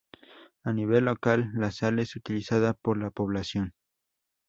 A nivel local, la sal es utilizada por la población.